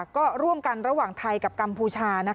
ก็ร่วมกันระหว่างไทยกับกัมพูชา